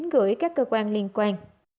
gửi các cơ quan